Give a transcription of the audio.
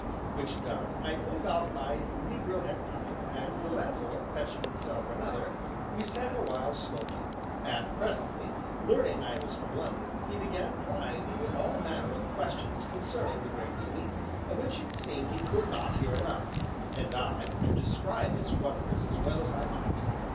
Which done, I pulled out my negro head pipe, and the landlord fetching himself another, we sat awhile smoking. And presently, learning I was from London, he began plying me with all manner of questions concerning the great city, of which it seemed he could not hear enough, and I, to describe its wonders as well as I might.